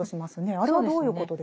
あれはどういうことですか？